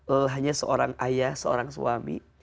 lelahnya seorang ayah seorang suami